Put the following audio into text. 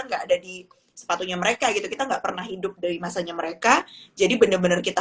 nggak ada di sepatunya mereka gitu kita nggak pernah hidup dari masanya mereka jadi bener bener kita